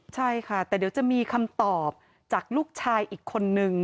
ใช่ค่ะแต่เดี๋ยวจะมีคำตอบจากลูกชายอีกคนนึง